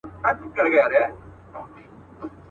ګرانه دوسته! ځو جنت ته دریم نه سي ځايېدلای.